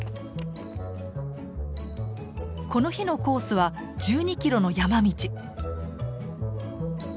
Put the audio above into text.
この日のコースは１２キロの山道。